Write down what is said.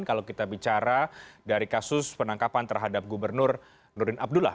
kalau kita bicara dari kasus penangkapan terhadap gubernur nurdin abdullah